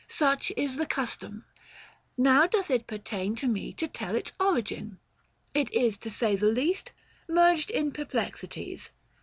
Such is the custom, now doth it pertain To me to tell its origin : It is, 905 To say the least, merged in perplexities.